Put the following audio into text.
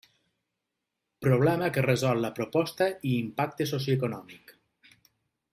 Problema que resol la proposta i impacte socioeconòmic.